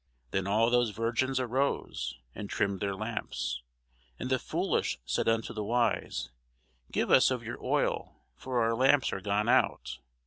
Then all those virgins arose, and trimmed their lamps. And the foolish said unto the wise, Give us of your oil; for our lamps are gone out.